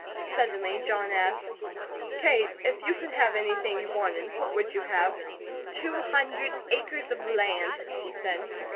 Suddenly John asked: "Kate, if you could have anything you wanted, what would you have?" "Two hundred acres of land," she said.